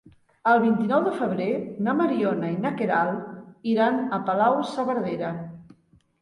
El vint-i-nou de febrer na Mariona i na Queralt iran a Palau-saverdera.